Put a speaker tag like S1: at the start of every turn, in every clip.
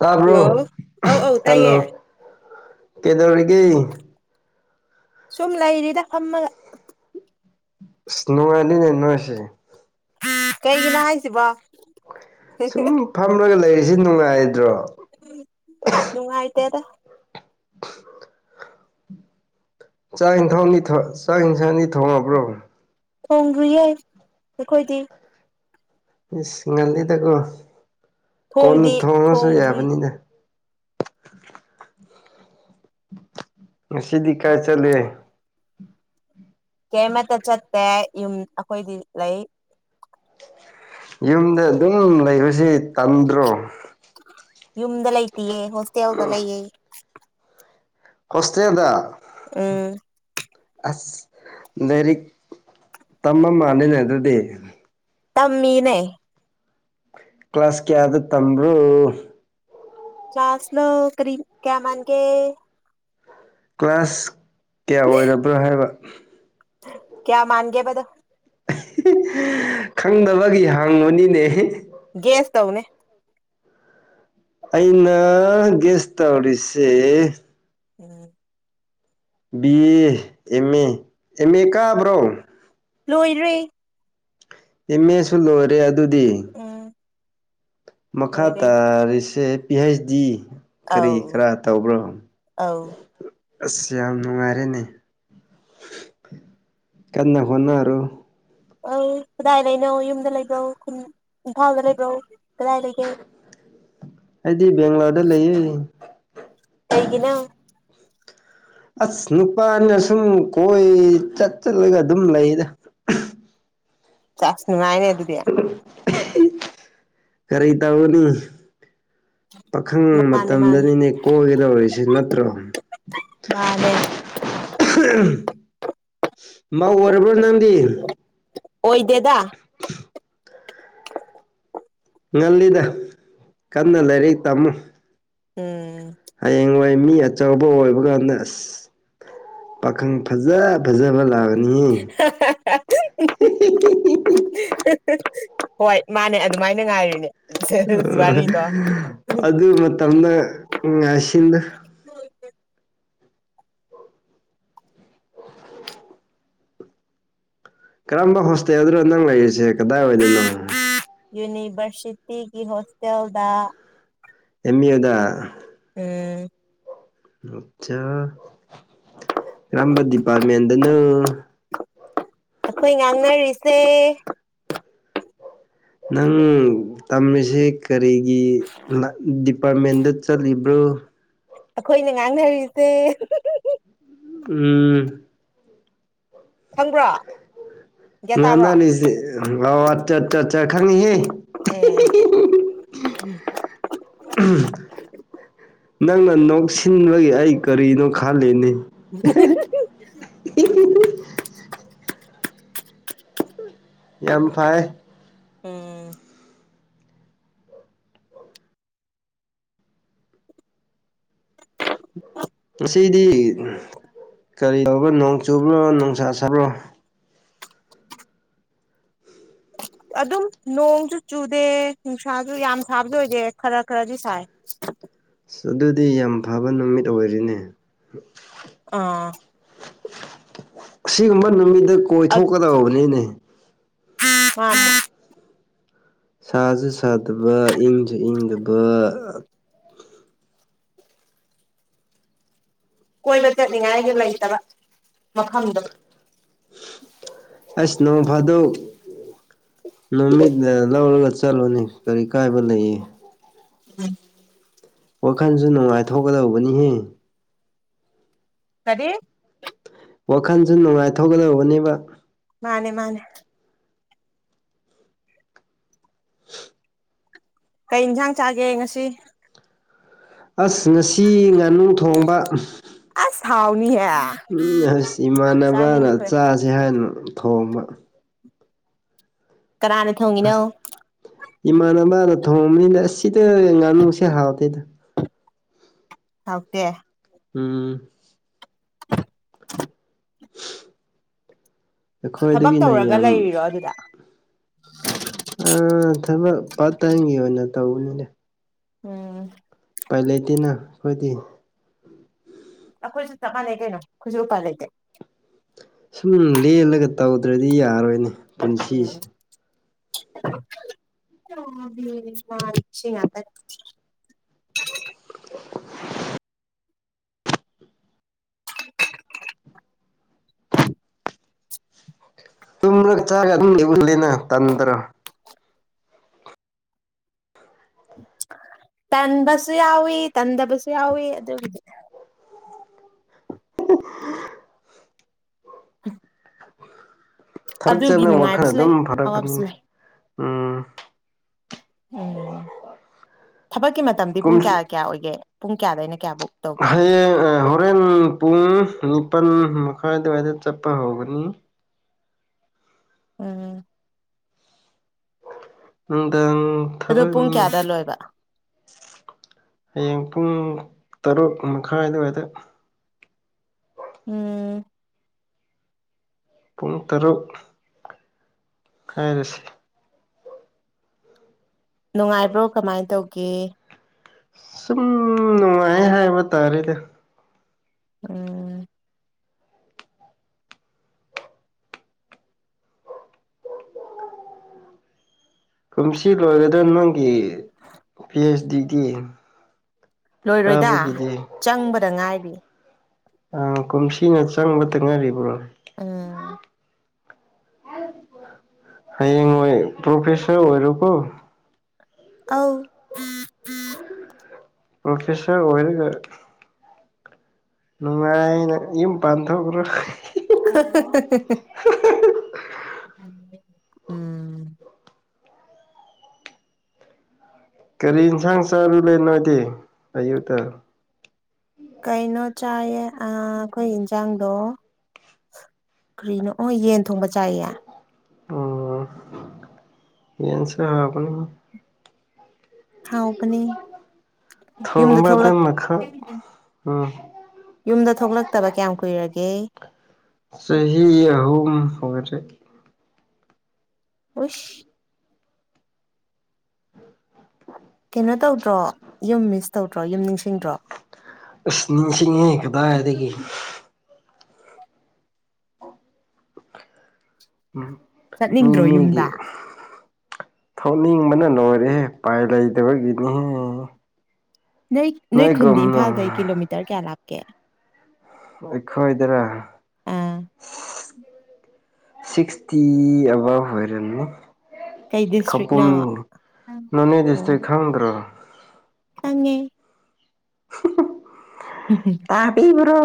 S1: ꯇꯥꯕ꯭ꯔꯣ
S2: ꯍꯜꯂꯣ ꯑꯧ ꯑꯧ ꯇꯥꯏꯌꯦ
S1: ꯍꯜꯂꯣ ꯀꯗꯧꯔꯤꯒ
S2: ꯁꯨꯝ ꯂꯩꯔꯤꯗ ꯐꯝꯃꯒ
S1: ꯁꯅꯣ ꯑꯅꯤꯅꯦꯅꯣꯁꯤ
S2: ꯀꯩꯒꯤꯅꯣ ꯍꯥꯏꯁꯤꯕ
S1: ꯁꯨꯝ ꯐꯝꯂꯒ ꯂꯩꯔꯤꯁꯤ ꯅꯨꯡꯉꯥꯏꯗ꯭ꯔꯣ
S2: ꯅꯨꯡꯉꯥꯏꯇꯦꯗ
S1: [inaudible] ꯆꯥꯛ ꯌꯦꯟꯊꯧꯅꯤ ꯆꯥꯛ ꯌꯦꯟꯁꯥꯡꯅꯤ ꯊꯣꯡꯉꯕ꯭ꯔꯣ
S2: ꯊꯣꯡꯈꯤꯕ ꯌꯥꯏ ꯑꯩꯈꯣꯏꯗꯤ
S1: ꯁꯤꯡꯍꯜꯂꯤꯗꯀꯣ ꯀꯣꯟ
S2: ꯊꯣꯡꯗꯤ
S1: ꯊꯣꯡꯉꯁꯨ
S2: ꯊꯣꯡꯗ꯭ꯔꯤ
S1: ꯌꯥꯕꯅꯤꯗ ꯁꯤꯗꯤ ꯀꯥꯏ ꯆꯂꯦ
S2: ꯀꯩꯃꯇ ꯆꯠꯇꯦ ꯌꯨꯝ ꯑꯩꯈꯣꯏꯗꯤ ꯂꯩ
S1: ꯌꯨꯝꯗ ꯑꯗꯨꯝ ꯂꯩꯕꯁꯦ ꯇꯟꯗ꯭ꯔꯣ
S2: ꯌꯨꯝꯗ ꯂꯩꯇꯌꯦꯦ ꯍꯣꯁꯇꯦꯜꯗ ꯂꯩꯌꯦ
S1: ꯍꯣꯁꯇꯦꯜꯗ
S2: ꯎꯝ
S1: ꯑꯁ ꯂꯥꯏꯔꯤꯛ ꯇꯝꯃ ꯃꯥꯜꯂꯅꯦ ꯑꯗꯨꯗꯤ
S2: ꯇꯃꯅꯦ
S1: ꯀ꯭ꯂꯥꯁ ꯀꯌꯥꯗ ꯇꯝꯕ꯭ꯔꯣ
S2: ꯆꯥꯁꯂ ꯀꯔꯤ ꯀꯌꯥꯃꯥꯟꯒꯦ
S1: ꯀ꯭ꯂꯥꯁ ꯀꯌꯥ ꯑꯣꯏꯔꯕ꯭ꯔꯥ ꯍꯥꯏꯕ
S2: ꯀꯌꯥ ꯃꯥꯥꯡꯒꯦꯕꯗ
S1: ꯈꯪꯗꯕꯒꯤ ꯍꯥꯡꯉꯨꯅꯤꯅꯦ
S2: ꯒꯦꯁ ꯇꯧꯅꯦ
S1: ꯑꯏꯩꯅ ꯦꯁ ꯇꯧꯔꯤꯁꯦ
S2: ꯎꯝ
S1: B A M A M A ꯀꯥꯕ꯭ꯔꯣ
S2: ꯂꯣꯏꯔꯦ
S1: ꯏꯃꯦ ꯁꯜꯣ ꯑꯣꯏꯔꯦ ꯑꯗꯨ ꯑꯗꯨꯗꯤ
S2: ꯎꯝ
S1: ꯃꯈꯥ
S2: ꯂꯣꯏꯔꯦ
S1: ꯇꯥꯔꯤꯁꯦ ꯄꯤ ꯍꯩꯆ ꯗꯤ ꯀꯔꯤ
S2: ꯑꯧ
S1: ꯀꯔ ꯇꯧꯕ꯭ꯔꯣ
S2: ꯑꯧ
S1: ꯑꯁ ꯌꯥꯝ ꯅꯨꯡꯉꯥꯏꯔꯦꯅꯦ ꯀꯥꯟꯅ ꯐꯅ
S2: ꯑ ꯀꯗꯥꯏ ꯂꯩꯅꯣ ꯌꯨꯝꯗ ꯂꯩꯕ꯭ꯔꯣ ꯈꯨ ꯏꯝꯐꯥꯜꯗ ꯂꯩꯕ꯭ꯔꯣ ꯥꯏ ꯂꯩꯒꯦ
S1: ꯕꯒ꯭ꯂꯣꯔꯗ ꯂꯩ
S2: ꯀꯩꯒꯤꯅꯣ
S1: ꯑꯁ ꯅꯨꯄꯥꯅ ꯁꯨꯝ ꯀꯣꯏ ꯆꯠ ꯆꯠꯂꯒ ꯑꯗꯨꯝ ꯂꯩꯗ
S2: ꯆꯥꯛꯁ ꯅꯨꯡꯉꯥꯏꯅꯦ ꯑꯗꯨꯗꯤ
S1: ꯀꯔꯤ ꯇꯧꯅꯤ ꯄꯥꯈꯪ
S2: ꯃꯥꯅꯦ ꯃꯥꯅꯦ
S1: ꯃꯇꯝꯗꯅꯤꯅꯦ ꯀꯣꯏꯒꯗꯧꯔꯤꯁꯦ ꯅꯠꯇ꯭ꯔꯣ
S2: ꯃꯥꯅꯦ
S1: ꯃ ꯑꯣꯔꯔꯕ꯭ꯔꯣ ꯅꯪꯗꯤ
S2: ꯑꯣꯏꯣꯏ ꯗꯦꯗ
S1: ꯉꯜꯂꯤꯗ ꯀꯟꯅ ꯂꯥꯏꯔꯤꯛ ꯇꯝꯃꯨ
S2: ꯎꯝ
S1: ꯍ ꯌꯦꯡꯏ ꯃꯤ ꯑꯆꯧꯕ ꯑꯣꯏꯕ ꯀꯥꯟꯗ ꯑꯁ ꯄꯥꯈꯪ ꯐꯖ ꯐꯖꯕ ꯂꯥꯛꯑ ꯅꯤ
S2: ꯍꯣꯏ ꯃꯥꯅꯦ ꯑꯗꯨꯃꯥꯏꯅ ꯉꯥꯏꯔꯤꯅꯦ
S1: ꯑ
S2: ꯋꯥꯔꯤꯗꯣ
S1: ꯑꯗꯨ ꯃꯇꯝꯗ ꯉꯥꯁꯤꯗ ꯀꯔꯝꯕ ꯍꯣꯁꯇꯦꯜꯗꯨꯅꯣ ꯅꯪ ꯂꯩꯔꯤꯁꯦ ꯀꯗꯥꯏ ꯑꯣꯏꯗꯣꯏꯅꯣ
S2: ꯁꯤꯇꯤꯒꯤ ꯍꯣꯁꯇꯦꯜꯗ
S1: ꯑꯦꯦꯝ ꯑꯦ ꯑꯦ ꯗ
S2: ꯑ
S1: ꯑꯆꯥꯥ ꯀꯝꯕ ꯗꯤꯄꯥꯔꯃꯦꯟꯅ
S2: ꯑꯩꯈꯣꯏ ꯉꯥꯡꯅꯔꯤꯁꯦ
S1: ꯅꯪ ꯇꯝꯃꯤꯁꯦ ꯀꯔꯤꯒꯤ ꯗꯤꯄꯥꯔꯠꯃꯦꯟꯗ ꯆꯠꯂꯤꯕ ꯭ꯔꯣ
S2: ꯑꯩꯈꯣꯏꯅ ꯉꯥꯡꯅꯔꯤꯁꯦ
S1: ꯎꯝ
S2: ꯈꯪꯕ꯭ꯔꯣ ꯒ꯭ꯌꯥꯟ ꯇꯥꯕ꯭ꯔꯣ
S1: ꯉꯪꯅꯅꯤꯁꯤꯦ ꯑ ꯑꯠꯆꯥ ꯑꯠꯠ ꯈꯪꯉꯍꯦ
S2: ꯎꯝ ꯎꯝ
S1: ꯅꯪꯅ ꯅꯣꯛꯁꯤꯟꯕꯒꯤ ꯑꯩ ꯀꯔꯤꯅꯣ ꯈꯜꯂꯤꯅꯤ [unintelligible] ꯌꯥꯝ ꯐꯥꯏ
S2: ꯎꯝ
S1: ꯑꯁꯤꯗꯤ ꯀꯔꯤ ꯇꯔꯕꯣ ꯅꯣꯡ ꯆꯨꯕ꯭ꯔꯣ ꯅꯨꯡꯁꯥ ꯁꯥꯕ꯭ꯔꯣ
S2: ꯑꯗꯨꯝ ꯅꯣꯡꯁꯨ ꯆꯨꯗꯦ ꯅꯨꯡꯁꯥꯁꯨ ꯌꯥꯝ ꯁꯥꯕꯁꯨ ꯑꯣꯏꯗꯦ ꯈꯔ ꯈꯔꯗꯤ ꯁꯥꯏ
S1: ꯑꯁ ꯑꯗꯨꯗꯤ ꯌꯥꯝ ꯐꯕ ꯅꯨꯃꯤꯠ ꯑꯣꯏꯔꯤꯅꯦ
S2: ꯑꯥ
S1: ꯑꯁꯤꯒꯨꯝꯕ ꯅꯨꯃꯤꯠꯇ ꯀꯣꯏꯊꯣꯛꯀꯗꯕꯅꯤꯅꯦ
S2: ꯑꯣ
S1: ꯁꯥꯁꯨ ꯁꯥꯗꯕ ꯏꯪꯁꯨ ꯏꯪꯗꯕ
S2: ꯀꯣꯏꯕ ꯆꯠꯅꯤꯡꯉꯥꯏꯒꯤ ꯂꯩꯇꯕ ꯃꯐꯝꯗꯣ
S1: ꯑꯩꯁ ꯅꯣꯡ ꯐꯥꯗꯨꯣꯛ ꯅꯨꯃꯤꯠ ꯂꯧꯔꯒ ꯆ ꯆꯠꯂꯣꯅꯤ ꯀꯔꯤ ꯀꯥꯏꯕ ꯂꯩꯌꯦ
S2: ꯎꯝ
S1: ꯋꯥꯈꯜꯁꯨ ꯅꯨꯡꯉꯥꯏꯊꯣꯛꯀꯗꯧꯕꯅꯤꯍꯦ
S2: ꯀꯔꯤ
S1: ꯋꯥꯈꯟꯁꯨ ꯅꯨꯡꯉꯥꯏꯊꯣꯛꯒꯗꯧꯕꯅꯦꯕ
S2: ꯃꯥꯅꯦ ꯃꯥꯅꯦ ꯀꯩ ꯏꯟꯁꯥꯡ ꯆꯥꯒꯦ ꯉꯁꯤ
S1: ꯑꯁ ꯉꯁꯤ ꯉꯥꯅꯨ ꯊꯣꯡꯕ
S2: ꯥꯎꯅꯤ ꯍꯥꯏ
S1: ꯎꯝ ꯑꯩꯁ ꯏꯃꯥꯟꯅꯕꯅ ꯆꯥꯁ ꯍꯥꯏꯅ ꯊꯣꯡꯕ
S2: ꯀꯅꯥꯅ ꯊꯣꯡꯉꯤꯅꯣ
S1: ꯏꯃꯥꯟꯅꯕꯅ ꯊꯣꯡꯕꯅꯤꯅ ꯑꯁꯤ ꯁꯤꯗ ꯉꯥꯅꯨꯁꯦ ꯍꯥꯎꯇꯦꯗ
S2: ꯊꯀꯦ
S1: ꯎꯝ
S2: [unintelligible] ꯊꯕꯛ
S1: ꯑꯩꯈꯣꯏꯗꯒꯤꯅ
S2: ꯇꯧꯔꯒ
S1: ꯌꯥꯝ
S2: ꯂꯩꯔꯤꯔꯣ ꯑꯗꯨꯗ
S1: ꯑ ꯊꯃ ꯄꯥꯏꯒꯣꯟꯅ ꯇꯧꯕꯅꯅꯦꯦ
S2: ꯎꯝ
S1: ꯄꯥꯏꯂꯦꯇꯤꯅ ꯑꯩꯈꯣꯏꯗꯤ
S2: ꯑꯩꯈꯣꯏꯁꯨ ꯆꯞꯄꯥꯟꯅꯩ ꯀꯩꯅꯣ ꯑꯩꯈꯣꯏꯁꯨ ꯎꯄꯥꯟ ꯂꯩꯇꯦ
S1: ꯁꯨꯝ ꯂꯦꯜꯂꯒ ꯇꯧꯗ꯭ꯔꯗꯤ ꯌꯥꯔꯣꯏꯅꯦ ꯄꯨꯟꯁꯤꯁꯦ
S2: [unintelligible] ꯑ ꯃꯥꯁꯤ ꯉꯗ
S1: ꯇꯨꯝꯔꯛ ꯆꯥꯒ ꯑꯗꯨꯝꯒꯤ ꯂꯩꯕꯅꯤꯅ ꯇꯟꯗ꯭ꯔꯣ
S2: ꯇꯟꯕꯁꯨ ꯌꯥꯎꯏ ꯇꯟꯗꯕꯁꯨ ꯌꯥꯎꯋ ꯑꯗꯨꯒꯤꯗꯤ ꯎꯝ
S1: ꯊꯕꯛ
S2: ꯑꯗꯨꯒꯤ
S1: ꯆꯠꯄꯅ ꯋꯥꯈꯜ
S2: ꯅꯨꯡꯉꯥꯏꯕꯁꯨ ꯂꯩ
S1: ꯑꯗꯨꯝ
S2: ꯑꯋꯥꯕꯁꯨ
S1: ꯐꯔꯛꯄꯅꯤꯅꯦ
S2: ꯂꯩ
S1: ꯎꯝ
S2: ꯎꯝ ꯊꯕꯛꯀꯤ ꯃꯇꯝꯗꯤ
S1: ꯀꯨꯝ
S2: ꯄꯨꯡ ꯀꯌꯥ ꯀꯌꯥ ꯑꯣꯏꯒꯦ ꯄꯨꯡ ꯀꯌꯥꯗ ꯑꯩꯅ ꯀꯌꯥꯕꯨꯧꯛ
S1: ꯍꯌꯦꯡ ꯍꯣꯔꯦꯟ ꯄꯨꯡ ꯆꯞꯄꯜ ꯃꯈꯥꯏ ꯑꯗꯨꯋꯥꯏꯗ ꯆꯠꯄ ꯍꯧꯒꯅꯤ
S2: ꯎꯝ
S1: ꯅꯨꯡꯗꯥꯪ
S2: ꯑꯗꯨ
S1: ꯊꯕꯛ
S2: ꯄꯨꯡ
S1: ꯃꯤꯅꯦ
S2: ꯀꯌꯥꯗ ꯂꯣꯏꯕ
S1: ꯍꯌꯦꯡ ꯄꯨꯡ ꯇꯔꯨꯛ ꯃꯈꯥꯏ ꯑꯗꯨꯋꯥꯏꯗ
S2: ꯎꯝ
S1: ꯄꯨꯡ ꯇꯔꯨꯛ ꯍꯥꯏꯔꯁꯤꯦ
S2: ꯅꯨꯡꯉꯥꯏꯕ꯭ꯔꯣ ꯀꯃꯥꯏ ꯇꯧꯒꯦ
S1: ꯁꯨꯝ ꯅꯨꯡꯉꯥꯏ ꯍꯥꯏꯕ ꯇꯥꯔꯦꯗꯤ
S2: ꯎꯝ
S1: ꯀꯨꯝꯁꯤ ꯂꯣꯏꯒꯗ꯭ꯔ ꯅꯪꯒꯤ ꯁ ꯗꯗꯤ
S2: ꯂꯣꯏꯔꯣꯏꯗ ꯆꯪꯕꯗ ꯉꯥꯏꯔꯤ
S1: ꯑ ꯀꯨꯝꯁꯤꯅ ꯆꯪꯕꯇꯪꯅꯥꯏꯔꯤꯕ꯭ꯔꯣ
S2: ꯎꯝ
S1: ꯍꯌꯦꯡꯣꯏ ꯄ꯭ꯔꯣꯐꯦꯁꯔ ꯑꯣꯏꯔꯀꯣ
S2: ꯑꯥꯎ
S1: ꯔꯈꯦꯁ ꯑꯣꯏꯔ ꯀ ꯅꯨꯡꯉꯥꯏꯅ ꯌꯨꯝ ꯄꯥꯟꯊꯣꯛꯈ꯭ꯔꯣ
S2: [inaudible] ꯎꯝ
S1: ꯀꯔꯤ ꯏꯟꯁꯥꯡ ꯆꯥꯔꯨꯨꯔꯦꯅꯣꯗꯤ ꯑꯌꯨꯛꯇ
S2: ꯀꯩꯅꯣ ꯆꯥꯏꯌꯦ ꯑꯩꯈꯣꯏ ꯌꯦꯟꯁꯥꯡꯗꯣ ꯀꯔꯤꯅꯣ ꯑꯣ ꯌꯦꯟ ꯊꯣꯡꯕ ꯆꯥꯏꯌꯦ
S1: ꯑꯣ ꯌꯦꯁꯤ ꯑꯅꯤ
S2: ꯍꯕꯅꯤ ꯌꯨꯝꯗ
S1: ꯊꯣꯡꯕꯗ
S2: ꯊꯣꯛꯂꯛ
S1: ꯃꯈꯜ ꯎꯝ
S2: ꯌꯨꯝꯗ ꯊꯣꯛꯂꯛꯇꯕ ꯀꯌꯥꯝ ꯀꯨꯏꯔꯒꯦ
S1: ꯆꯍꯤꯍꯤ ꯑꯍꯨꯝ ꯍꯧꯔꯦ
S2: ꯈꯁ ꯀꯩꯅꯣ ꯇꯧꯗ꯭ꯔꯣ ꯌꯨꯝ ꯃꯤꯁ ꯇꯧꯗ꯭ꯔꯣ ꯌꯨꯝ ꯅꯤꯡꯁꯤꯡꯗ꯭ꯔꯣ
S1: ꯑꯁꯅꯤꯁꯤꯉ ꯀꯗꯏꯗꯗꯒꯤ ꯎꯝ ꯃꯤ
S2: ꯆꯠꯅꯤꯡꯗ꯭ꯔꯣ
S1: ꯅꯒꯤ
S2: ꯌꯨꯝꯗ
S1: ꯊꯣꯛꯅꯤꯡꯕꯅ ꯂꯣꯏꯔꯦ ꯄꯥꯏ ꯂꯩꯗꯕꯒꯤꯅꯤꯍ
S2: ꯅꯣꯏ ꯅꯣꯏ ꯈꯨꯟꯗꯤ ꯏꯝꯐꯥꯜꯗꯩ ꯀꯤꯂꯣꯃꯤꯇꯔ ꯀꯌꯥ ꯂꯥꯛꯀꯦ
S1: ꯑꯩꯈꯣꯏꯗꯔꯥ
S2: ꯑꯥ
S1: ꯁꯤꯁꯇꯤ ꯑꯕꯥꯚ ꯑꯣꯏꯔꯅꯤ
S2: ꯀꯩ
S1: ꯈꯧꯄꯨꯝ
S2: ꯗꯤꯁꯇ꯭ꯔꯤꯛꯅꯣ
S1: ꯅꯣꯅꯦ
S2: ꯑꯣ
S1: ꯗꯤꯁꯇ꯭ꯔꯤ ꯈꯪꯗ꯭ꯔꯥ
S2: ꯈꯪꯉꯦ
S1: ꯇꯥꯕꯤꯕ꯭ꯔꯣ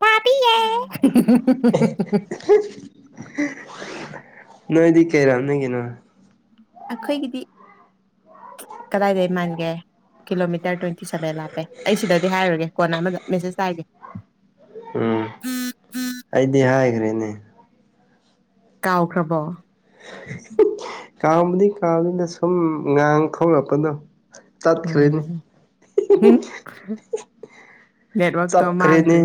S2: ꯋꯥꯕꯤꯌꯦ [inaudible]
S1: ꯅꯣꯏꯗꯤ ꯀꯩꯔꯝ ꯅ ꯀꯅ
S2: ꯑꯩꯈꯣꯏꯒꯤꯗꯤ ꯀꯗꯥꯗꯦ ꯏꯃꯥꯟꯦ ꯀꯤꯂꯣ ꯃꯤꯇꯔ ꯇ꯭ꯋꯦꯟꯇꯤ ꯁꯦꯕꯦꯟꯟꯦ ꯑꯩ ꯁꯤꯗꯗꯤ ꯍꯥꯏꯔꯨꯔꯒꯦ ꯀꯣꯟꯅ ꯑꯃꯗ ꯃꯦꯁꯦꯁ ꯇꯥꯏꯒꯦ
S1: ꯎꯝ ꯑꯩꯗꯤ ꯍꯥꯏꯈ꯭ꯔꯦꯅꯦ
S2: ꯀꯥꯎꯈ꯭ꯔꯕꯣ
S1: ꯀꯥꯎꯕꯗꯤ ꯀꯥꯎꯕꯅꯤꯅ ꯁꯨꯝ ꯉꯥꯡ ꯊꯣꯛꯂꯛꯄꯅꯣ ꯆꯠ ꯈꯂꯅꯤ
S2: ꯎꯝ ꯅꯦꯠꯋꯥꯛꯛꯇꯣ ꯃꯥꯡꯈ꯭ꯔꯦ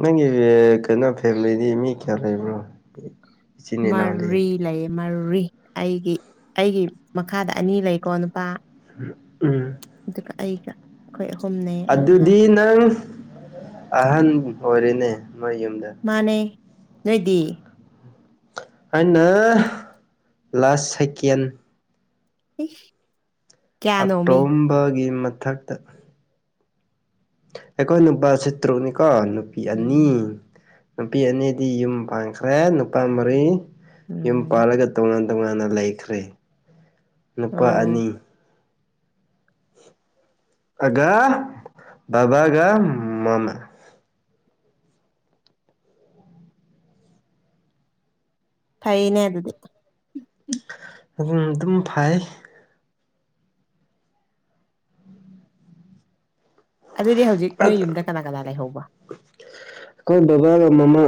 S1: ꯅꯪꯒꯤ ꯀꯩꯅꯣ ꯐꯦꯃꯤꯂꯤꯗꯤ ꯃꯤ ꯀꯌꯥ ꯂꯩꯕ꯭ꯔꯣ ꯏꯆꯤꯟ ꯏꯅꯥꯎꯗꯤ
S2: ꯃꯔꯤ ꯂꯩꯌꯦ ꯃꯔꯤ ꯑꯩꯒꯤ ꯑꯩꯒꯤ ꯃꯈꯥꯗ ꯑꯅꯤ ꯂꯩꯀꯣ ꯅꯨꯄꯥ
S1: ꯎꯝ
S2: ꯑꯗꯨꯒ ꯑꯩꯒ ꯑꯍꯨꯝꯅꯦ ꯑꯩꯅ ꯑꯍꯥꯟ
S1: ꯑꯗꯨꯗꯤ ꯅꯪ ꯑꯍꯟ ꯑꯣꯏꯔꯦꯅꯦ ꯃꯣꯏ ꯌꯨꯝꯗ
S2: ꯃꯥꯅꯦ ꯅꯣꯏꯗꯤ
S1: ꯑꯩꯅ ꯂꯥꯁ ꯁꯀꯦꯟ
S2: ꯎ
S1: ꯑꯇꯣꯝꯕꯒꯤ ꯃꯊꯛꯇ ꯑꯩꯈꯣꯏ ꯅꯨꯄꯥ ꯆꯇꯔ꯭ꯔꯨꯛꯅꯤꯀꯣ ꯅꯨꯄꯤ ꯑꯅꯤ
S2: ꯎꯝ
S1: ꯅꯨꯄꯤ ꯑꯅꯤꯗꯤ ꯌꯨꯝ ꯄꯥꯟꯈ꯭ꯔꯦ ꯅꯨꯄꯥ ꯃꯔꯤ ꯌꯨꯝ
S2: ꯎꯝ
S1: ꯄꯥꯜꯂꯒ ꯇꯣꯡꯉ ꯇꯣꯉꯥꯟꯅ ꯂꯩꯈ꯭ꯔꯦ ꯅꯨꯄꯥ
S2: ꯑꯣ
S1: ꯑꯅꯤ
S2: [inaudible]
S1: ꯑꯒ ꯕꯥꯒ ꯃꯥꯃ
S2: ꯀꯩꯅꯦ ꯑꯗꯨ ꯑꯗꯨꯗꯤ
S1: ꯑꯗꯨꯝ ꯑꯗꯨꯝ ꯐꯩ
S2: ꯑꯗꯨꯗꯤ ꯍꯧꯖꯤꯛ ꯅꯣꯏ ꯌꯨꯝꯗ ꯀꯅꯥ ꯀꯅꯥ ꯂꯩꯍꯧꯕ
S1: ꯑꯩꯈꯣꯏ ꯕꯕꯥ ꯃꯃꯥ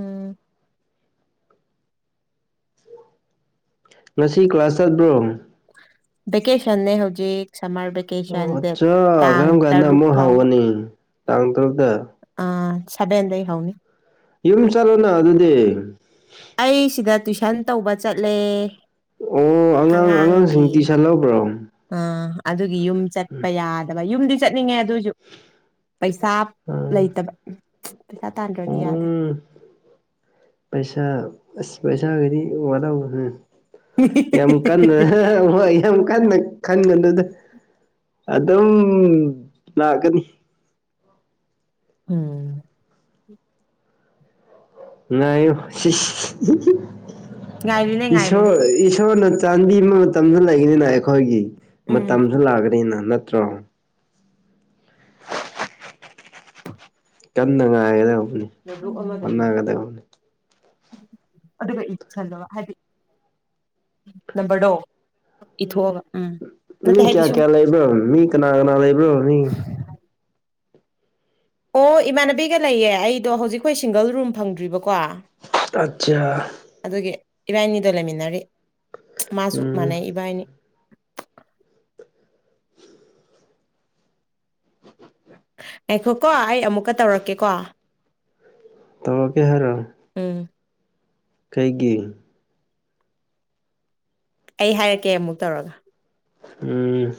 S2: ꯎꯝ
S1: ꯉꯁꯤ ꯀ꯭ꯂꯥꯁ ꯆꯠꯄ꯭ꯔꯣ
S2: ꯕꯦꯀꯦꯁꯟꯅꯦ ꯍꯧꯖꯤꯛ ꯁꯝꯃꯔ
S1: ꯑꯣ
S2: ꯚꯦꯀꯦꯁꯟ ꯗꯦꯠ
S1: ꯑꯠꯆꯥ
S2: ꯇꯥꯡ
S1: ꯀꯔꯝ ꯀꯥꯟꯗ
S2: ꯇꯔꯨꯛ
S1: ꯑꯃꯨꯛ
S2: ꯐꯥꯎꯕ
S1: ꯍꯧꯒꯅꯤ ꯇꯥꯡ ꯇꯔꯨꯛꯇ
S2: ꯁꯗꯦꯟꯗ ꯍꯧꯥꯎꯅꯤ
S1: ꯌꯨꯝ ꯆꯠꯂꯣꯅ ꯑꯗꯨꯗꯤ
S2: ꯑꯩ ꯁꯤꯗ ꯇꯨꯏꯁꯟ ꯇꯧꯕ ꯆꯠꯂꯦ
S1: ꯑꯣ ꯑꯉꯥꯡ ꯑꯉꯥꯡꯁꯤꯡ ꯇꯨꯁꯟ ꯂꯧꯕ꯭ꯔꯣ
S2: ꯑ ꯑꯗꯨꯒꯤ ꯌꯨꯝ ꯆꯠꯄ ꯌꯥꯗꯕ ꯌꯨꯝꯗꯤ ꯆꯠꯅꯤꯡꯉꯦ ꯑꯗꯨꯏꯁꯨ ꯄꯩꯁꯥ
S1: ꯑꯥ
S2: ꯂꯩꯇꯕ ꯄꯩꯁꯥ ꯇꯥꯟꯗ꯭ꯔꯗꯤ ꯌꯥꯗꯦ
S1: ꯎꯝ ꯄꯩꯁꯥ ꯑ ꯄꯩꯁꯥ ꯀꯗꯤ ꯋꯥꯗ ꯌꯥꯝ ꯀꯟꯅ ꯍꯣꯏ ꯌꯥꯝ ꯀꯟꯅ ꯈꯟꯒꯗꯨꯗ ꯑꯗꯨꯝ ꯂꯥꯛꯀꯅꯤ
S2: ꯎꯝ
S1: ꯅꯥꯏ
S2: ꯉꯥꯏꯔꯤꯅꯦ ꯉꯥꯏꯔꯤꯅꯦ
S1: ꯏꯁꯁꯣꯔ ꯏꯁꯁꯣꯔ ꯅꯠꯇ ꯆꯥꯟꯕꯤ ꯑꯃ ꯃꯇꯝꯁꯨ ꯂꯩꯒꯅꯤꯅ ꯑꯩꯈꯣꯏꯒꯤ
S2: ꯎꯝ
S1: ꯃꯇꯝꯁꯨ ꯂꯥꯛꯒꯅꯤꯅ ꯅꯠꯇ꯭ꯔꯣ ꯀꯟꯅ ꯉꯥꯏꯒꯗꯧꯕꯅꯤ
S2: ꯅꯣꯠꯕꯨꯛ ꯑꯃꯗ ꯏꯌꯣ
S1: ꯍꯣꯠꯅꯒꯗꯧꯕꯅꯤ
S2: ꯑꯗꯨꯒ ꯏꯁꯜꯂꯕ ꯍꯥꯏꯗꯤ ꯅꯝꯕꯔ ꯗꯣ ꯏꯊ
S1: ꯃꯤ ꯀꯌꯥ ꯀꯌꯥ ꯂꯩꯕ꯭ꯔꯣ ꯃꯤ ꯀꯅꯥ ꯀꯅꯥ ꯂꯩꯕ꯭ꯔꯣ ꯃꯤ
S2: ꯑꯣ ꯏꯃꯥꯟꯅꯕꯤꯒ ꯂꯩꯌꯦ ꯑꯩꯗꯣ ꯍꯧꯖꯤꯛꯈꯣꯏ ꯁꯤꯡꯒꯜ ꯔꯨꯝ ꯐꯪꯗ꯭ꯔꯤꯕꯀꯣ
S1: ꯑꯆꯥꯆꯥ
S2: ꯑꯗꯨꯒꯤ ꯏꯕꯥꯏꯅꯤꯗꯣ ꯂꯩꯃꯤꯟꯅꯔꯤ ꯃꯥꯁꯨ
S1: ꯎꯝ
S2: ꯃꯅꯩ ꯏꯕꯥꯏꯅꯤ ꯑꯩꯈꯣ ꯀꯣ ꯑꯩ ꯑꯃꯨꯛꯀ ꯇꯧꯔꯛꯀꯦꯀꯣ
S1: ꯇꯃ ꯀꯦ ꯍꯥꯏꯔꯣ
S2: ꯎꯝ
S1: ꯀꯩꯒꯤ
S2: ꯑꯩ ꯍꯥꯏꯔꯛꯀꯦ ꯑꯃꯨꯛ ꯇꯧꯔꯒ
S1: ꯎꯝ